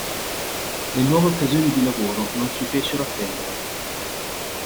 Le nuove occasioni di lavoro non si fecero attendere.